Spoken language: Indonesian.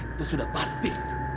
itu sudah pasti